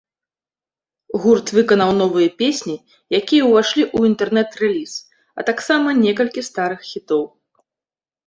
Гурт выканаў новыя песні, якія ўвайшлі ў інтэрнэт-рэліз, а таксама некалькі старых хітоў.